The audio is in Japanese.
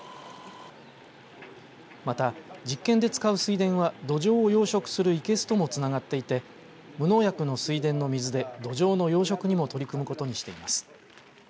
また、実験で使う水田はどじょうを養殖する生けすともつながっていて無農薬の水田の水でどじょうの養殖にも取り組むことにしています。